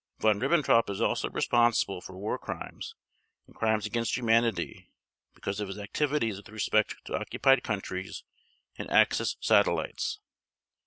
Von Ribbentrop is also responsible for War Crimes and Crimes against Humanity because of his activities with respect to occupied countries and Axis satellites.